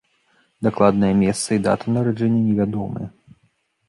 Дакладнае месца і дата нараджэння невядомыя.